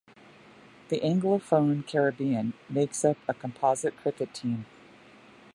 The Anglophone Caribbean makes up a composite cricket team.